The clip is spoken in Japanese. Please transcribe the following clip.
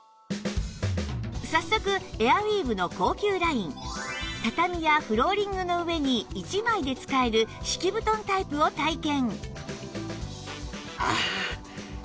早速エアウィーヴの高級ライン畳やフローリングの上に１枚で使える敷き布団タイプを体験